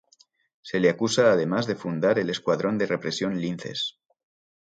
Se le acusa además de fundar el escuadrón de represión "Linces".